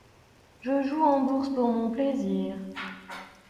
Je joue en bourse pour mon plaisir.